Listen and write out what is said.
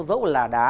dẫu là đá